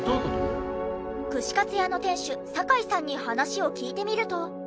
串かつ屋の店主酒井さんに話を聞いてみると。